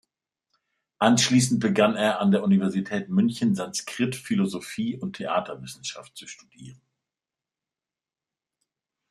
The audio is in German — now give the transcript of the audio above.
Anschließend begann er, an der Universität München Sanskrit, Philosophie und Theaterwissenschaft zu studieren.